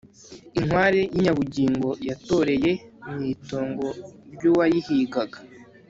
inkware yinyabugingo yatoreye mwitongo ryuwayihigaga